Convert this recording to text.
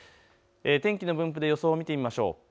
天気の分布で予想を見てみましょう。